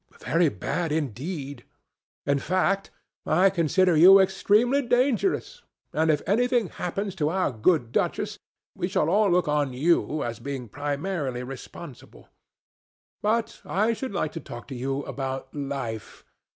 "Very bad indeed. In fact I consider you extremely dangerous, and if anything happens to our good duchess, we shall all look on you as being primarily responsible. But I should like to talk to you about life.